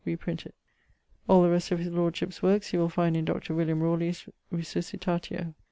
Reprint it. All the rest of his lordship's workes you will find in Dr. William Rawley's Resuscitatio.